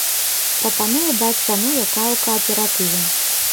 Прапануе даць цану, якая ў кааператыве.